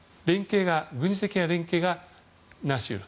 軍事的な連携がなし得る。